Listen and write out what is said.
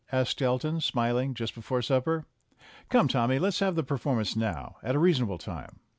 asked Elton, smiling, just before supper. "Come, Tommy, let's have the performance now, at a reasonable time."